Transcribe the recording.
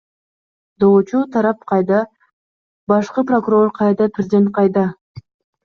Доочу тарап кайда, башкы прокурор кайда, президент кайда?